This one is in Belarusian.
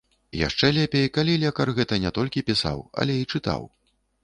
Яшчэ лепей, калі лекар гэта не толькі пісаў, але і чытаў.